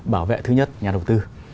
bảo vệ thứ nhất nhà đầu tư